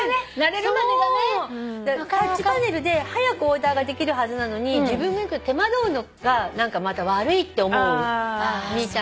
タッチパネルで早くオーダーができるはずなのに自分がよく手間取るのがまた悪いって思うみたいで。